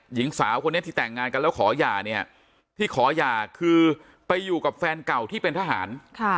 หญิงสาวคนนี้ที่แต่งงานกันแล้วขอหย่าเนี่ยที่ขอหย่าคือไปอยู่กับแฟนเก่าที่เป็นทหาร